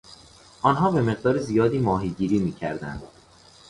آنها به مقدار زیاد ماهیگیری میکردند.